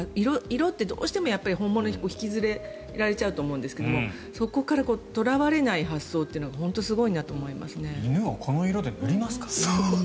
色ってどうしてもやっぱり本物に引きずられちゃうと思うんですけどそこからとらわれない発想というのが犬をこの色で塗りますか？